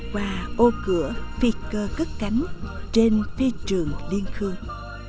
qua ô cửa phi cơ cất cánh trên phi trường liên khương